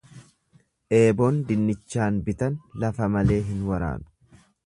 Eeboon dinnichaan bitan lafa malee hin waraanu.